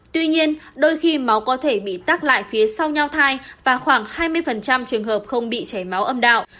tuy nhiên đôi khi máu có thể bị tắc lại phía sau nho thay và khoảng hai mươi trường hợp không bị chảy máu âm đạo